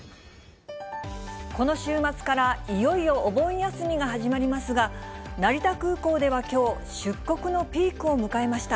この週末から、いよいよお盆休みが始まりますが、成田空港ではきょう、出国のピークを迎えました。